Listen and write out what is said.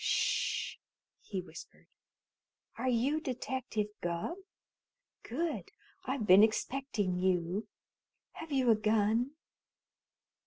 "Sh!" he whispered. "Are you Detective Gubb? Good! I've been expecting you. Have you a gun?"